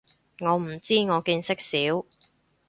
我唔知，我見識少